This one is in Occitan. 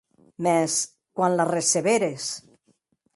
Mès quan la receberes?